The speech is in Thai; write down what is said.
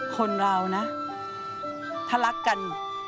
คนเรานะถ้ารักกัน